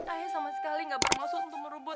ayah sama sekali nggak bermaksud untuk merebut